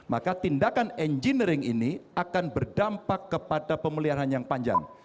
maka tindakan engineering ini akan berdampak kepada pemeliharaan yang panjang